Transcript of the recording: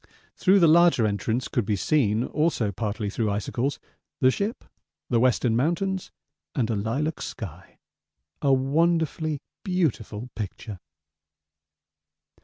Through the larger entrance could be seen, also partly through icicles, the ship, the Western Mountains, and a lilac sky; a wonderfully beautiful picture.